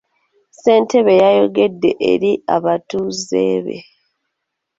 Ssentebe yayogeddeko eri abatuuze be.